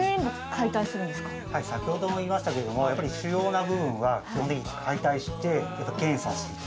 はい先ほども言いましたけどもやっぱり主要な部分はこういうふうに解体して検査すると。